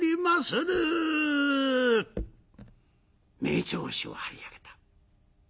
名調子を張り上げた。